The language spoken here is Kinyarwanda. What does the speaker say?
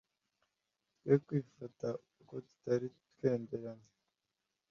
Twe kwifata uko tutari, twenderanya,